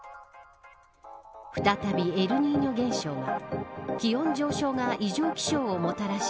再びエルニーニョ現象が気温上昇が異常気象をもたらし